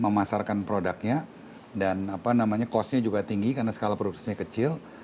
memasarkan produknya dan cost nya juga tinggi karena skala produksinya kecil